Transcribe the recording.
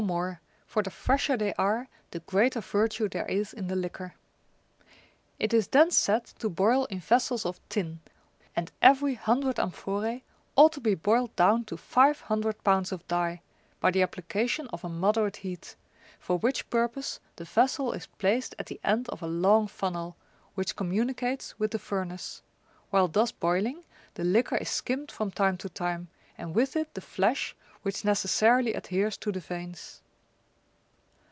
more, for the fresher they are, the greater virtue there is in the liquor. It is then set to boil in vessels of tin,^^ and every hundred amphorae ^^ ought to be boiled down to five hun dred pounds of dye, by the application of a moderate heat ; for which purpose the vessel is placed at the end of a long funnel, which communicates with the furnace; while thus boiling, the liquor is skimmed from time to time, and with it the flesh, which necessarily adheres to the veins.